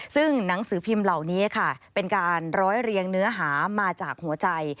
ซึ่งหนังสือพิมพ์เหล่านี้ค่ะเป็นการร้อยเรียงเนื้อหามาจากหัวใจ